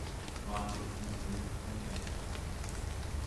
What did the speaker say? Mate ist übrigens sein echter Name.